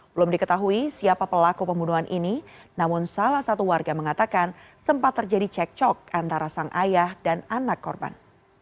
belum diketahui siapa pelaku pembunuhan ini namun salah satu warga mengatakan sempat terjadi cek cok antara sang ayah dan anak korban